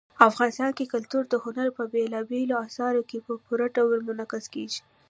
افغانستان کې کلتور د هنر په بېلابېلو اثارو کې په پوره ډول منعکس کېږي.